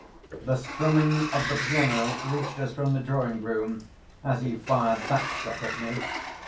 The strumming of the piano reached us from the drawing room, as he fired that shot at me.